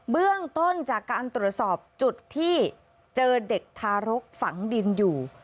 เบื้องต้นจากการตรวจสอบจุดที่เจอเด็กทารกฝังดินอยู่